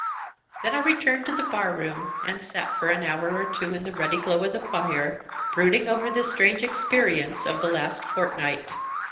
Then I returned to the bar room, and sat for an hour or two in the ruddy glow of the fire, brooding over the strange experience of the last fortnight.